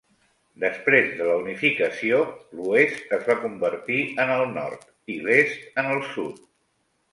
Després de la unificació, l'oest es va convertir en el nord i l'est en el sud.